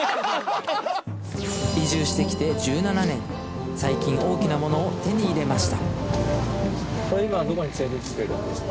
移住してきて１７年最近大きなものを手に入れました